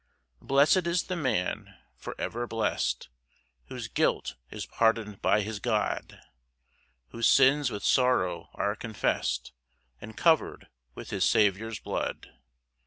1 Blest is the man, for ever blest, Whose guilt is pardon'd by his God, Whose sins with sorrow are confess'd, And cover'd with his Saviour's blood.